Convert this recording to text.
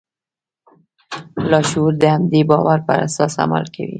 لاشعور د همدې باور پر اساس عمل کوي